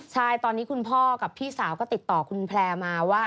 ใช่ตอนนี้คุณพ่อกับพี่สาวก็ติดต่อคุณแพลร์มาว่า